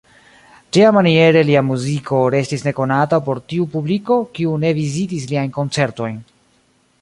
Tiamaniere lia muziko restis nekonata por tiu publiko, kiu ne vizitis liajn koncertojn.